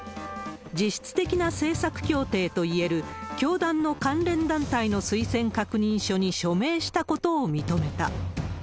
実質的な政策協定といえる教団の関連団体の推薦確認書に署名したことを認めた。